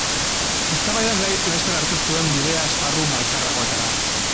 Eztabaidak laster hartu zuen bidea esparru malkarragoetara.